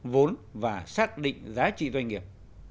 vốn và xác định giá trị doanh nghiệp